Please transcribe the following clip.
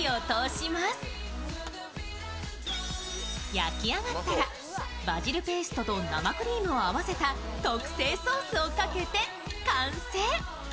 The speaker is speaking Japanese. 焼き上がったら、バジルペーストと生クリームを合わせた特製ソースをかけて、完成。